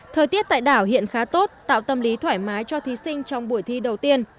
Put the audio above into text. thời tiết tại đảo hiện khá tốt tạo tâm lý thoải mái cho thí sinh trong buổi thi đầu tiên